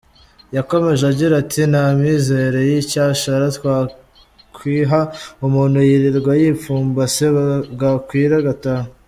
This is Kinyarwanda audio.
Yakomeje agira ati « nta mizero y'icyashara twakwiha, umuntu yirirwa yipfumbase bwakwira agataha.